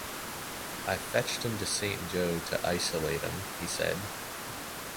'I fetched 'em to Saint Joe to isolate 'em,' he said.